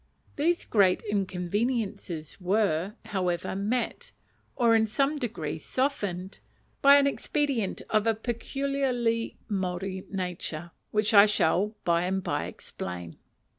These great inconveniences were, however, met, or in some degree softened, by an expedient of a peculiarly Maori nature, which I shall by and by explain.